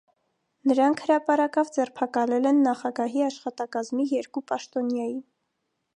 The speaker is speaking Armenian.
Նրանք հրապարակավ ձերբակալել են նախագահի աշխատակազմի երկու պաշտոնյայի։